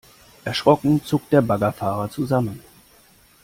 Erschrocken zuckt der Baggerfahrer zusammen.